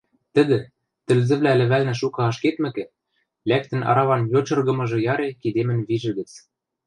Тӹдӹ, тӹлзӹвлӓ лӹвӓлнӹ шукы ашкедмӹкӹ, лӓктӹн араван йочыргымыжы яре кидемӹн вижӹ гӹц.